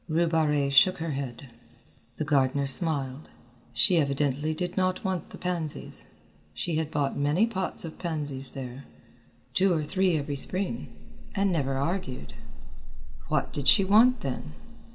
Rue Barrée shook her head. The gardener smiled. She evidently did not want the pansies. She had bought many pots of pansies there, two or three every spring, and never argued. What did she want then?